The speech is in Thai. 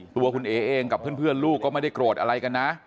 ตัวคุณเอ๋เองกับเพื่อนลูกก็ไม่ได้โกรธอะไรกันนะ